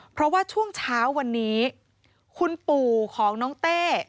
เพราะว่าช่วงเช้าวันนี้คุณปู่ของน้องเต้